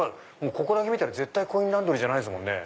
ここだけ見たらコインランドリーじゃないですね。